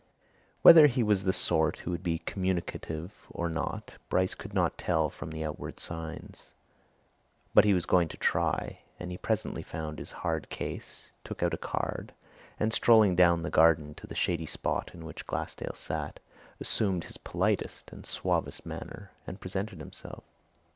Whether he was the sort who would be communicative or not, Bryce could not tell from outward signs, but he was going to try, and he presently found his card case, took out a card, and strolling down the garden to the shady spot in which Glassdale sat, assumed his politest and suavest manner and presented himself.